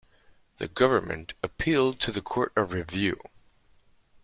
The government appealed to the Court of Review.